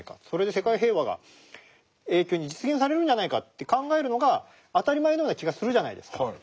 それで世界平和が永久に実現されるんじゃないかって考えるのが当たり前のような気がするじゃないですか。